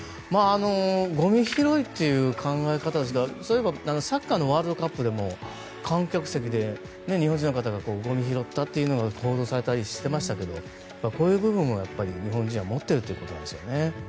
ゴミ拾いという考え方ですけどそういえばサッカーのワールドカップでも観客席で日本人の方がゴミを拾ったというのが報道されたりしてましたけどこういう部分も日本人は持っているということなんですよね。